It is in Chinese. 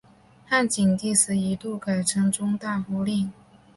汉景帝时一度改称中大夫令。